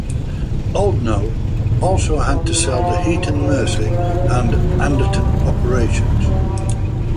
Oldknow also had to sell the Heaton Mersey and Anderton operations.